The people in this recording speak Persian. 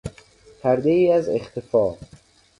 پردهای از اختفا